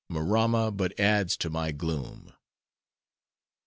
Maramma but adds to my gloom."